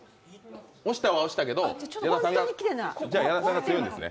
押したは押したけど、矢田さんが？じゃあ矢田さんが強いんですね。